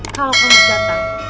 kalau kamu datang